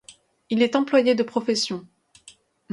Il est employé de profession.